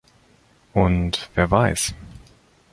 Und wer weiß?